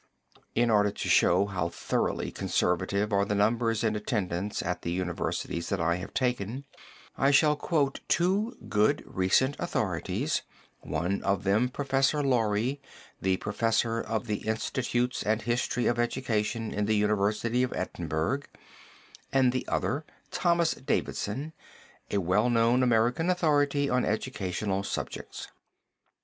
In order to show how thoroughly conservative are the numbers in attendance at the universities that I have taken, I shall quote two good recent authorities, one of them Professor Laurie, the Professor of the Institutes and History of Education in the University of Edinburgh, and the other Thomas Davidson, a well known American authority on educational subjects.